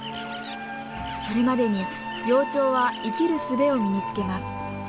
それまでに幼鳥は生きるすべを身につけます。